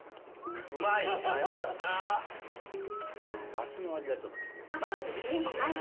だしの味がちょっと効いてる。